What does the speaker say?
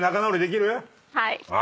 はい。